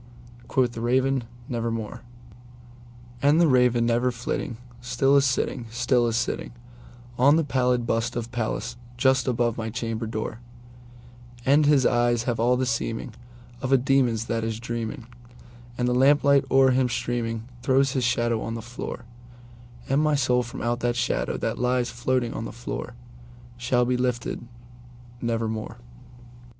Quoth the Raven, "Nevermore."And the Raven, never flitting, still is sitting, still is sittingOn the pallid bust of Pallas just above my chamber door; And his eyes have all the seeming of a demon's that is dreaming, And the lamp light o'er him streaming throws his shadow on the floor:And my soul from out that shadow that lies floating on the floorShall be lifted—nevermore!